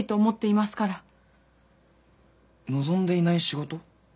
望んでいない仕事？